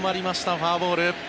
フォアボール。